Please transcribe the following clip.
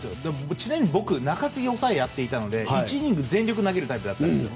ちなみに僕、中継ぎと抑えをやっていたので１イニング全力で投げるタイプだったんですよ。